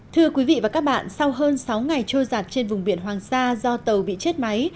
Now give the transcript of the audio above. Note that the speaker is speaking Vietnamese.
thưa quý vị và các bạn sau hơn sáu ngày trôi giặt trên vùng biển hoàng sa do tàu bị chết máy